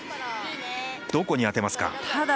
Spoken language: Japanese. どこに当てますか？